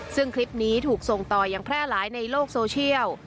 ซึ่งคลิปนี้ถูกส่งต่อยังแพร่หลายในโลกโซเชียล